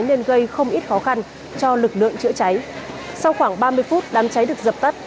nên gây không ít khó khăn cho lực lượng chữa cháy sau khoảng ba mươi phút đám cháy được dập tắt